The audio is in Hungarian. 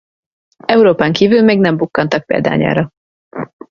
Európán kívül még nem bukkantak példányára.